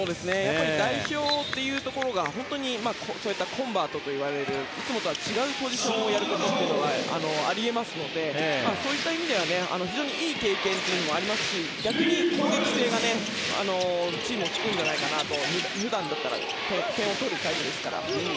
代表というところが本当にコンバートといわれるいつもとは違うポジションをやることも、あり得ますのでそういった意味では非常にいい経験でもありますし逆に攻撃性がチームを救うんじゃないかと。